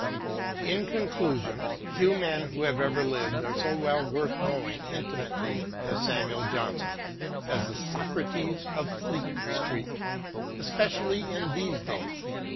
In conclusion, few men who have ever lived are so well worth knowing intimately as Samuel Johnson — as the Socrates of Fleet Street, especially in these days.